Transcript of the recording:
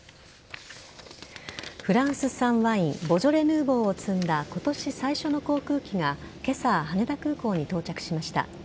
フランス産ワインボジョレ・ヌーボーを積んだ今年最初の航空機が今朝、羽田空港に到着しました。